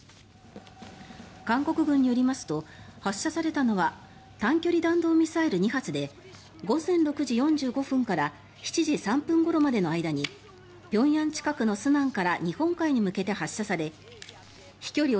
韓国軍によりますと発射されたのは短距離弾道ミサイル２発で午前６時４５分から７時３分ごろまでの間に平壌近くの順安から日本海に向けて発射され飛距離